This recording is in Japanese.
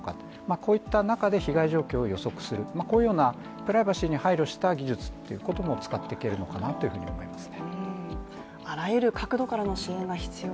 こういった中で被害状況を予測するこういうようなプライバシーに配慮した技術も使っていけるのかなと思いますね。